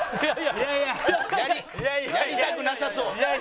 やりたくなさそう。